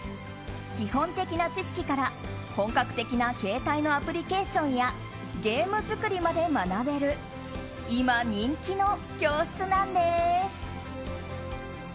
基本的な知識から、本格的な携帯のアプリケーションやゲーム作りまで学べる今人気の教室なんです。